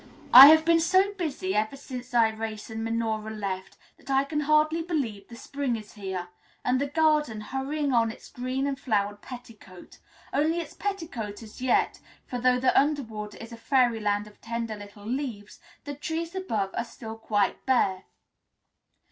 I have been so busy ever since Irais and Minora left that I can hardly believe the spring is here, and the garden hurrying on its green and flowered petticoat only its petticoat as yet, for though the underwood is a fairyland of tender little leaves, the trees above are still quite bare.